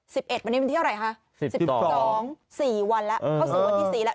สิบเอ็ดวันนี้เป็นที่อะไรฮะสิบสองสี่วันละเข้าสู่วันที่สี่แล้ว